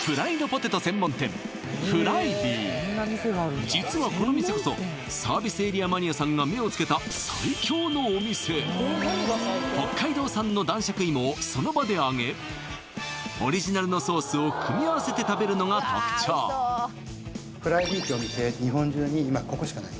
さん実はこの店こそサービスエリアマニアさんが目をつけた北海道産の男爵芋をその場で揚げオリジナルのソースを組み合わせて食べるのが特徴ＦｒｉＤｅｅ！ってお店日本中に今ここしかない・